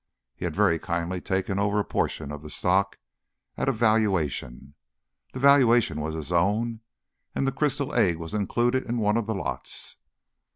He had very kindly taken over a portion of the stock at a valuation. The valuation was his own and the crystal egg was included in one of the lots.